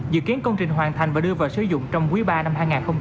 dự kiến công trình hoàn thành và đưa vào sử dụng trong quý ba năm hai nghìn hai mươi bốn